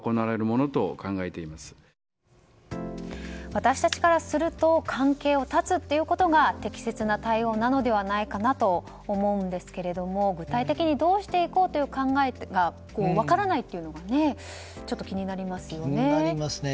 私たちからすると関係を断つということが適切な対応なのではないかなと思うんですけれども具体的にどうしていこうという考えが分からないというのがちょっと気になりますよね。